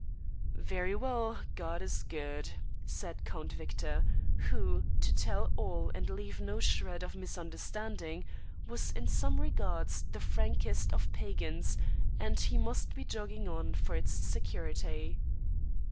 "Very well, God is good!" said Count Victor, who, to tell all and leave no shred of misunderstanding, was in some regards the frankest of pagans, and he must be jogging on for its security.